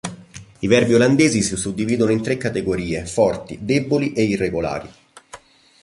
I verbi olandesi si suddividono in tre categorie: forti, deboli e irregolari.